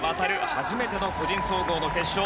初めての個人総合の決勝。